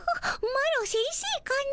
マロ先生かの？